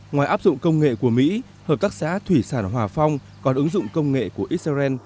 ngoài áp dụng công nghệ của mỹ hợp tác xã thủy sản hòa phong còn ứng dụng công nghệ của israel